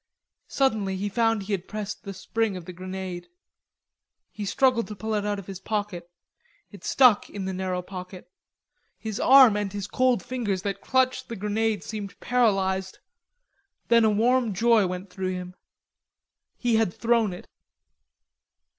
Suddenly he found he had pressed the spring of the grenade. He struggled to pull it out of his pocket. It stuck in the narrow pocket. His arm and his cold fingers that clutched the grenade seemed paralyzed. Then a warm joy went through him. He had thrown it.